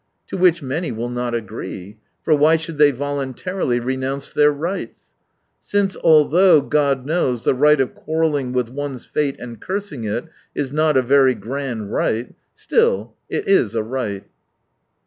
To which many will not agree : for why should they voluntarily renounce their rights ? Since although, God knows, the right of quarrelling with one's fate, and cursing it, is not a very grand right, still, it w a right